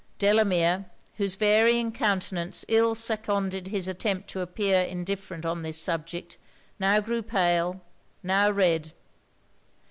Delamere, whose varying countenance ill seconded his attempt to appear indifferent on this subject, now grew pale, now red.